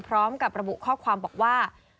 พร้อมกับระบุข้อความบอกว่า